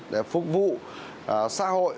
để phục vụ xã hội